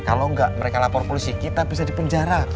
kalau enggak mereka lapor polisi kita bisa dipenjara